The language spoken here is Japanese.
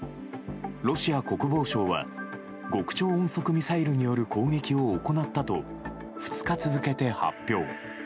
ロシア国防省は極超音速ミサイルによる攻撃を行ったと２日続けて発表。